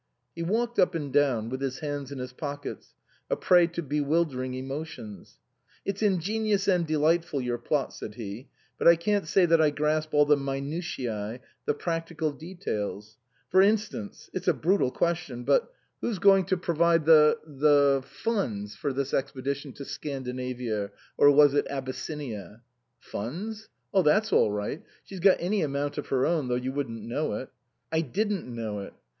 He walked up and down with his hands in his pockets, a prey to bewildering emotions. " It's ingenious and delightful, your plot," said he. " But I can't say that I grasp all the minutice, the practical details. For instance (it's a brutal question, but), who's going to pro T.S.Q. 113 I THE COSMOPOLITAN vide the the funds for this expedition to Scan dinavia or was it Abyssinia ?"" Funds ? Oh, that's all right. She's got any amount of her own, though you wouldn't know it." " I didn't know it."